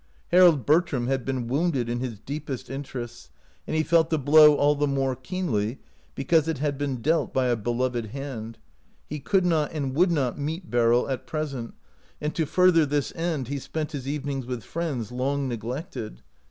Harold Bertram had been wounded in his deepest interests, and he felt the blow all the more keenly because it had been dealt by a beloved hand. He could not and would not meet Beryl at present, and to further 125 OUT OF BOHEMIA this end he spent his evenings with friends long neglected.